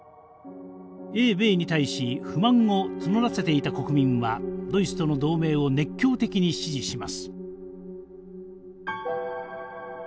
英米に対し不満を募らせていた国民はドイツとの同盟を熱狂的に支持します。